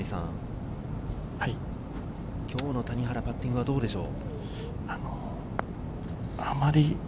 今日の谷原、パッティングはどうでしょう？